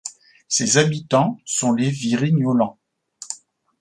Ses habitants sont les Virignolans.